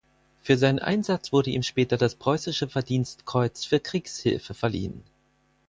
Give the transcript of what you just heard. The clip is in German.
Für seinen Einsatz wurde ihm später das preußische Verdienstkreuz für Kriegshilfe verliehen.